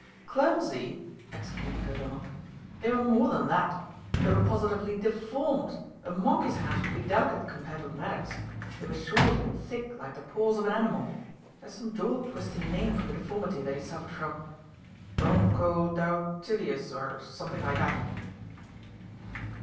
"Clumsy!" exclaimed O'Donnell. "They were more than that. They were positively deformed. A monkey's hands would be delicate compared with Maddock's, They were short and thick like the paws of an animal. There's some jaw twisting name for the deformity that he suffered from; bronchodaotilious, or something like that."